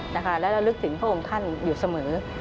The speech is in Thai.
และระลึกถึงพระองค์ท่านอยู่เสมอ